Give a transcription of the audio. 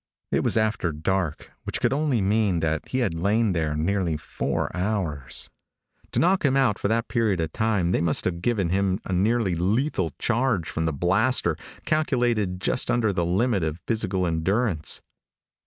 It was after dark, which could only mean that he had lain there nearly four hours. To knock him out for that period of time, they must have given him a nearly lethal charge from the blaster calculated just under the limit of physical endurance.